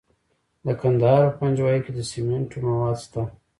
د کندهار په پنجوايي کې د سمنټو مواد شته.